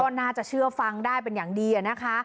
ก็น่าจะเชื่อฟังได้เป็นอย่างดีนะคะ